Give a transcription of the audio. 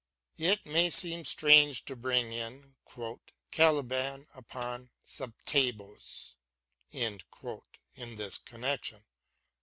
It may seem strange to bring in " Caliban upon Setebos " in this connection.